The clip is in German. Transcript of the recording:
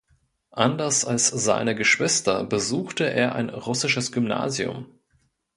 Anders als seine Geschwister besuchte er ein russisches Gymnasium.